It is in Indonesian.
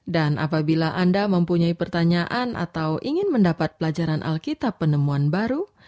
dan apabila anda mempunyai pertanyaan atau ingin mendapat pelajaran alkitab penemuan baru